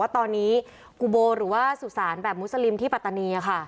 ตอนนี้กูโบหรือสู่ศาลแบบมัสลิมพระตะระนี